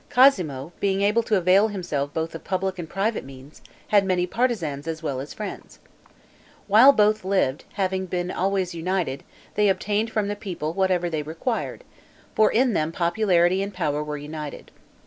Cosmo, being able to avail himself both of public and private means, had many partisans as well as friends. While both lived, having always been united, they obtained from the people whatever they required; for in them popularity and power were united.